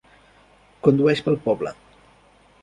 Condueix pel poble.